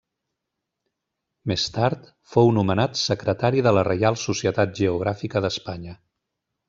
Més tard fou nomenat secretari de la Reial Societat Geogràfica d'Espanya.